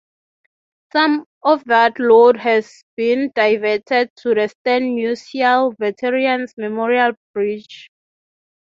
Some of that load has been diverted to the Stan Musial Veterans Memorial Bridge.